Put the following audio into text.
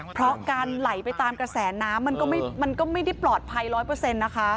เพราะการไหลไปตามกระแสน้ำมันก็ไม่ได้ปลอดภัยร้อยเปอร์เซ็นต์นะคะ